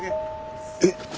えっ？